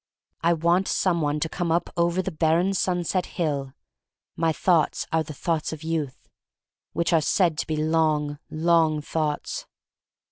I want some one to come up over the barren sunset hill. My thoughts are the thoughts of youth, which are said to be long, long thoughts.